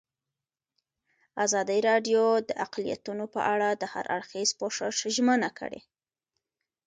ازادي راډیو د اقلیتونه په اړه د هر اړخیز پوښښ ژمنه کړې.